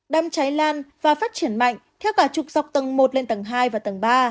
đám cháy lan và phát triển mạnh theo cả chục dọc tầng một lên tầng hai và tầng ba